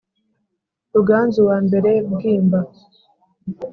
ruganzu wa mbere bwimba